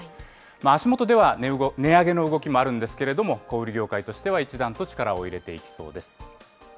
足元では値上げの動きもあるんですけれども、小売り業界としては一段と力を入れていきそうです。